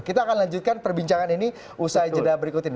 kita akan lanjutkan perbincangan ini usai jeda berikut ini